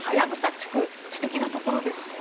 地区素敵なところですね。